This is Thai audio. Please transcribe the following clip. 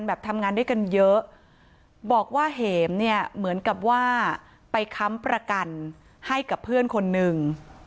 แบบทำงานด้วยกันเยอะบอกว่าเห็มเนี่ยเหมือนกับว่าไปค้ำประกันให้กับเพื่อนคนหนึ่ง